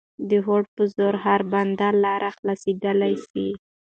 د هوډ په زور هره بنده لاره خلاصېدلای سي.